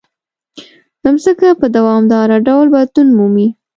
مځکه په دوامداره ډول بدلون مومي.